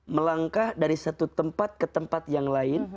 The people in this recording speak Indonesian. melangkah dari satu tempat ke tempat yang lain